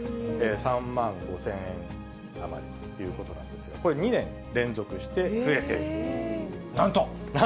３万５０００円余りということなんですが、これ２年連続して増えなんと。